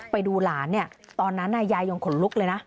ไปดูหลานเนี่ยตอนนั้นยายยังขนลุกเลยนะ